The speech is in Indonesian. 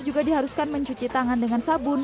juga diharuskan mencuci tangan dengan sabun